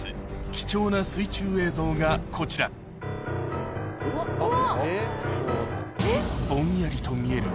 貴重な水中映像がこちらぼんやりと見える